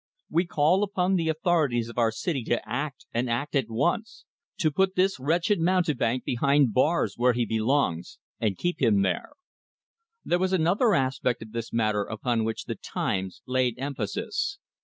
We call upon the authorities of our city to act and act at once; to put this wretched mountebank behind bars where he belongs, and keep him there." There was another aspect of this matter upon which the "Times" laid emphasis.